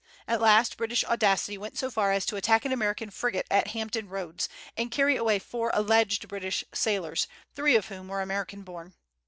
At last British audacity went so far as to attack an American frigate at Hampton Roads, and carry away four alleged British sailors, three of whom were American born.